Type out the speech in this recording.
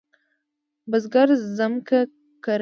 بزګر زمکه کوري.